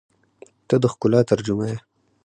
• ته د ښکلا ترجمه یې.